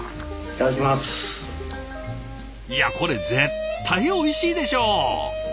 いやこれ絶対おいしいでしょう！